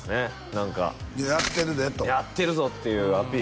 何か「やってるで」と「やってるぞ」っていうアピール